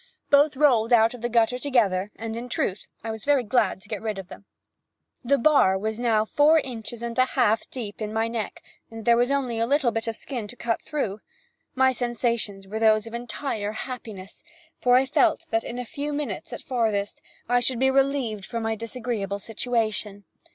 Both rolled out of the gutter together, and in truth I was very glad to get rid of them. The bar was now four inches and a half deep in my neck, and there was only a little bit of skin to cut through. My sensations were those of entire happiness, for I felt that in a few minutes, at farthest, I should be relieved from my disagreeable situation.